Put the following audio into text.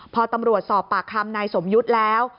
พอตำรวจสอบปากคำนายสมยุทธ์แล้ว